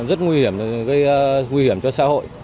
rất nguy hiểm gây nguy hiểm cho xã hội